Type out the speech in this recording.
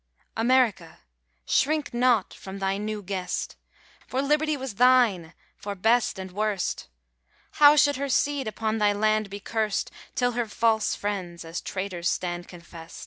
America! shrink not from thy new guest; For liberty was thine for best and worst: How should her seed upon thy land be curst Till her false friends as traitors stand confest?